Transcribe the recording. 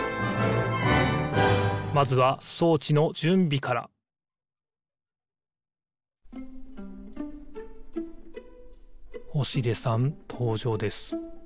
まずはそうちのじゅんびから星出さんとうじょうです。